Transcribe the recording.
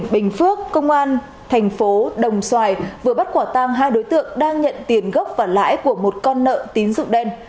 bình phước công an thành phố đồng xoài vừa bắt quả tang hai đối tượng đang nhận tiền gốc và lãi của một con nợ tín dụng đen